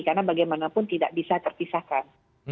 karena bagaimanapun tidak bisa terpisahkan